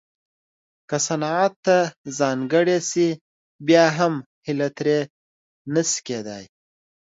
که صنعت ته ځانګړې شي بیا هم هیله ترې نه شي کېدای